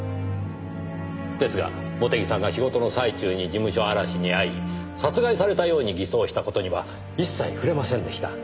ですが茂手木さんが仕事の最中に事務所荒らしに遭い殺害されたように偽装した事には一切触れませんでした。